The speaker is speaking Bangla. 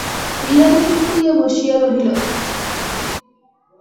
বিহারী চুপ করিয়া বসিয়া রহিল।